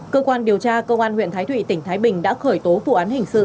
cơ quan điều tra cơ quan huyện thái thụy tỉnh thái bình đã khởi tố vụ án hình sự